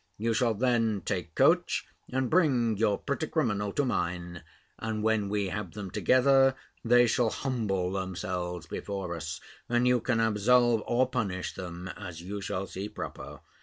You shall then take coach, and bring your pretty criminal to mine; and when we have them together, they shall humble themselves before us, and you can absolve or punish them, as you shall see proper.